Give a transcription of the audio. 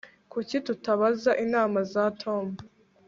Kuki tutabaza inama za Tom